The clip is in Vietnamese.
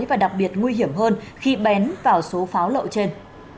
và đặc biệt nguy hiểm hơn khi bén vào số pháo lậu trên